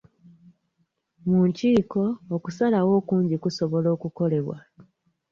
Mu nkiiko, okusalawo okungi kusobola okukolebwa.